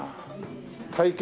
「体験」。